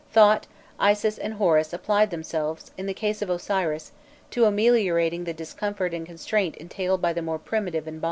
Thot, Isis, and Horus applied themselves in the case of Osiris to ameliorating the discomfort and constraint entailed by the more primitive embalmment.